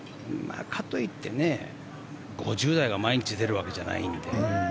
かといって５０台が毎日出るわけじゃないので。